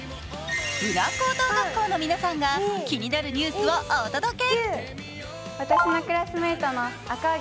武南高等学校の皆さんが気になるニュースをお届け。